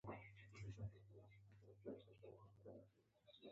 غلۍ د خندا، لوبو او ناستې ځای وي.